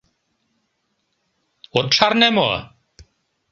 От шарне мо?